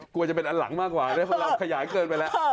กลัวจะเป็นอันหลังมากกว่าเราขยายเกินไปแล้ว